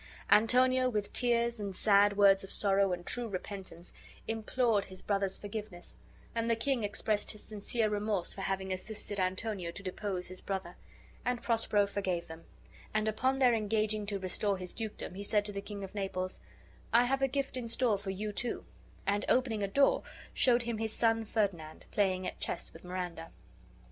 Antonio, with tears and sad words of sorrow and true repentance, implored his brother's forgiveness, and the king expressed his sincere remorse for having assisted Antonio to depose his brother: and Prospero forgave them; and, upon their engaging to restore his dukedom, he said to the King of Naples, "I have a gift in store for you, too"; and, opening a door, showed him his son Ferdinand playing at chess with Miranda.